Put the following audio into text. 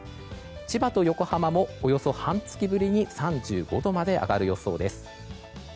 千葉と横浜も、およそ半月ぶりに３５度まで上がる予想です。